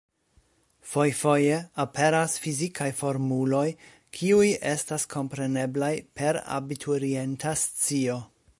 Fojfoje aperas fizikaj formuloj, kiuj estas kompreneblaj per abiturienta scio.